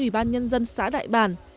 ủy ban nhân dân xã đại bản